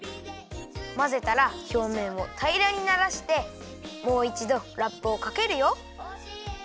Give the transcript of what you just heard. まぜたらひょうめんをたいらにならしてもういちどラップをかけるよ。